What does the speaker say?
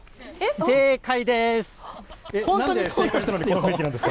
正解でーす。